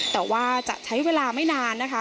แต่ว่าจะใช้เวลาไม่นานนะคะ